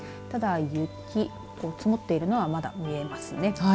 ただ、雪が積もっているのはまだ見えますね。